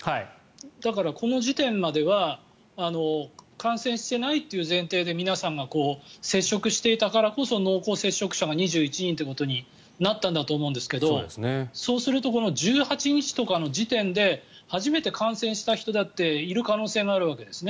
だからこの時点までは感染してないという前提で皆さんが接触していたからこそ濃厚接触者が２１人ということになったんだと思うんですけどそうするとこの１８日とかの時点で初めて感染した人だっている可能性があるわけですね。